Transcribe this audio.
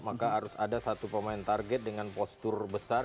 maka harus ada satu pemain target dengan postur besar